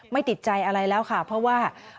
ติดใจอะไรแล้วค่ะเพราะว่า